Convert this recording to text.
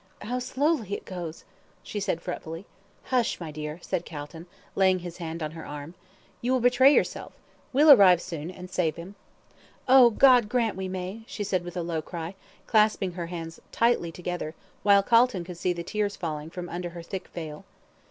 "How slowly it goes," she said, fretfully. "Hush, my dear," said Calton, laying his hand on her arm. "You will betray yourself we'll arrive soon and save him." "Oh, God grant we may," she said with a low cry, clasping her hands tightly together, while Calton could see the tears falling from under her thick veil.